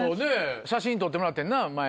写真撮ってもらってんな前。